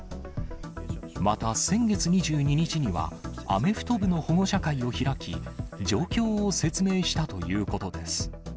また、先月２２日には、アメフト部の保護者会を開き、状況を説明したということです。